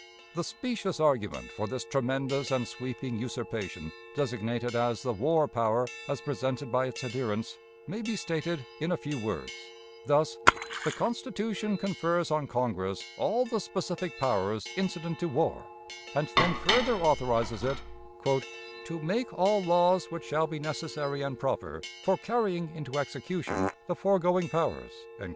The specious argument for this tremendous and sweeping usurpation, designated as the "war power," as presented by its adherents, may be stated in a few words, thus: The Constitution confers on Congress all the specific powers incident to war, and then further authorizes it "to make all laws which shall be necessary and proper for carrying into execution the foregoing powers."